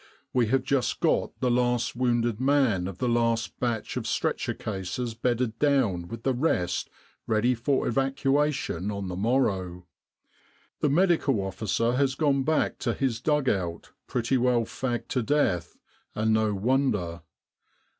We have just got the last wounded man of the last batch of 62 "The Long, Long Way to Achi Baba" stretcher cases bedded down with the rest ready for evacuation on the morrow. The M.O. has gone back to his dug out pretty well fagged to death, and no wonder.